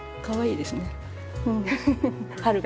かわいいですね。